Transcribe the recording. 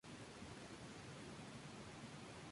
Las heladas son habituales en invierno, no así las nevadas.